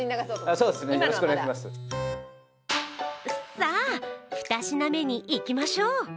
さぁ、２品目にいきましょう！